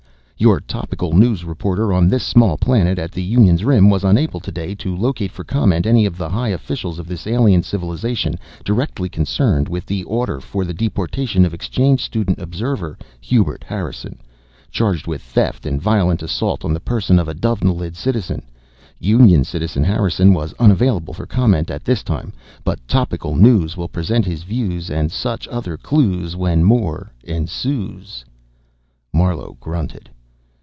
Your Topical News reporter on this small planet at the Union's rim was unable today to locate for comment any of the high officials of this alien civilization directly concerned with the order for the deportation of exchange student observer Hubert Harrison, charged with theft and violent assault on the person of a Dovenilid citizen. Union citizen Harrison was unavailable for comment at this time, but Topical News will present his views and such other clues when more ensues. Marlowe grunted.